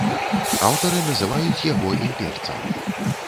Аўтары называюць яго імперцам.